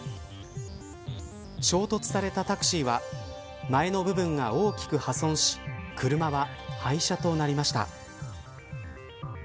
衝突されたタクシーは前の部分が大きく破損し車は廃車となりました。